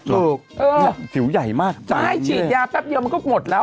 ถูกสิวใหญ่มากจังใช่ฉีดยาแป๊บเดียวมันก็หมดแล้ว